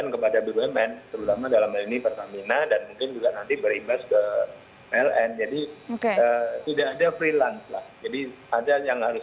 kepada jumlah orang